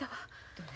どれ？